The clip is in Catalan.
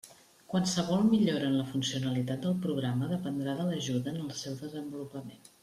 Qualsevol millora en la funcionalitat del programa dependrà de l'ajuda en el seu desenvolupament.